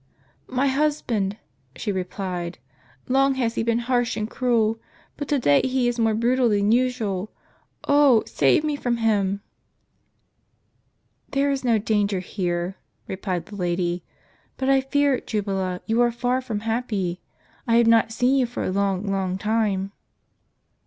"My husband," she replied; "long has he been harsh and cruel, but to day he is more brutal than usual. Oh, save me from him !" "There is no danger here," replied the lady; "but I fear, Jubala, you are far from happy. I have not seen you for a long, long time."